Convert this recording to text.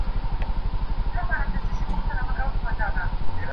له رمباړو له زګېروي څخه سو ستړی٫